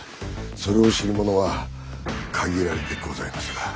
それを知る者は限られてございますが。